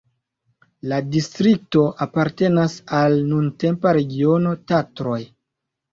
La distrikto apartenas al nuntempa regiono Tatroj.